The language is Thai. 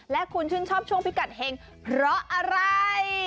และคุณชื่นชอบช่วงพิกัดเห็งเพราะอะไร